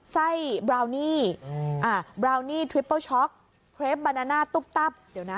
ไส้บราวนี่บราวนี่ทริปเปิลช็อกเครปบานาน่าตุ๊กตับเดี๋ยวนะ